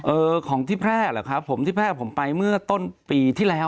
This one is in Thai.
เออของที่แพร่เหรอครับผมที่แพร่ผมไปเมื่อต้นปีที่แล้ว